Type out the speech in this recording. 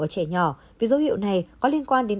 ở trẻ nhỏ vì dấu hiệu này có liên quan đến